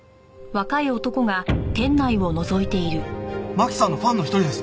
マキさんのファンの一人です。